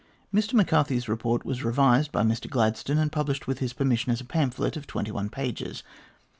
Mr McCarthy's report was revised by Mr Gladstone, and published with his permission as a pamphlet of twenty one pages.